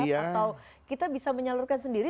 atau kita bisa menyalurkan sendiri